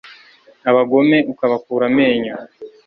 abagome ukabakura amenyo